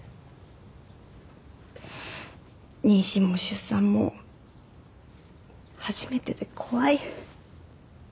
妊娠も出産も初めてで怖い。